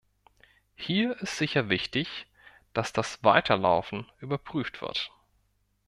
Hier ist es sicher wichtig, dass das Weiterlaufen überprüft wird.